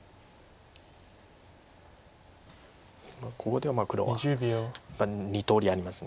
ここでは黒は２通りあります。